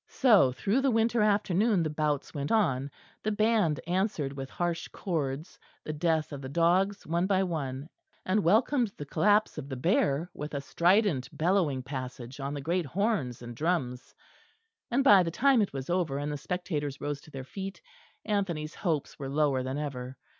So through the winter afternoon the bouts went on; the band answered with harsh chords the death of the dogs one by one, and welcomed the collapse of the bear with a strident bellowing passage on the great horns and drums; and by the time it was over and the spectators rose to their feet, Anthony's hopes were lower than ever.